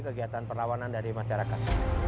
kegiatan perlawanan dari masyarakat